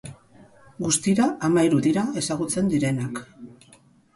Guztira hamahiru dira ezagutzen direnak.